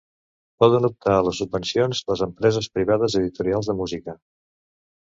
Poden optar a les subvencions les empreses privades editorials de música.